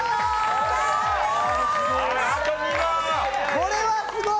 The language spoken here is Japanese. これはすごい！